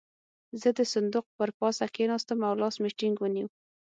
زه د صندوق پر پاسه کېناستم او لاس مې ټينګ ونيو.